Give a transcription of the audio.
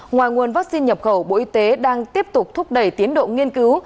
ngoài nguồn vaccine nhập khẩu bộ y tế đang tiếp tục thúc đẩy tiến độ nghiên cứu